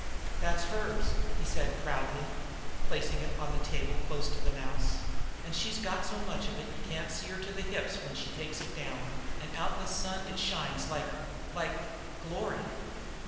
"That HERS," he said proudly, placing it on the table close to the mouse. "An' she's got so much of it you can't see her to the hips when she takes it down; an' out in the sun it shines like like glory!"